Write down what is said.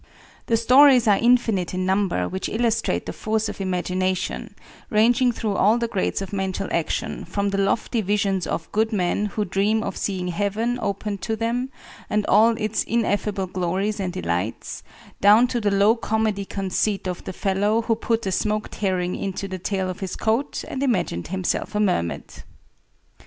The stories are infinite in number, which illustrate the force of imagination, ranging through all the grades of mental action, from the lofty visions of good men who dream of seeing heaven opened to them, and all its ineffable glories and delights, down to the low comedy conceit of the fellow who put a smoked herring into the tail of his coat and imagined himself a mermaid.